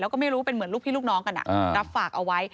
แล้วก็ไม่รู้เป็นเหมือนลูกพี่ลูกน้องกันอ่ะ